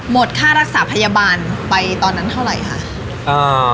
ค่ารักษาพยาบาลไปตอนนั้นเท่าไหร่ค่ะ